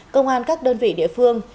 công an các đơn vị địa phương